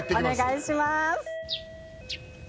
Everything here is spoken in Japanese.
お願いします